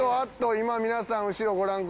今皆さん後ろご覧ください。